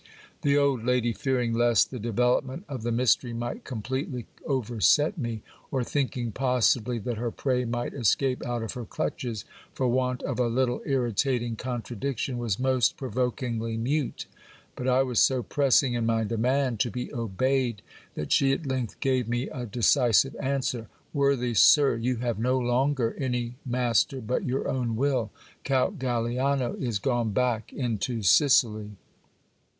The old lady, fearing lest the development of the mystery might completely overset me, or thinking possibly that her prey might escape out of her clutches f 3r want of a little irritating contradiction, was most provokingly mute ; but I vras so pressing in my demand to be obeyed, that she at length gave me a de cisive answer : Worthy sir, you have no longer any master but your own will Count Galiano is gone back into Sicily.